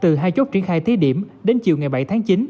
từ hai chốt triển khai thí điểm đến chiều ngày bảy tháng chín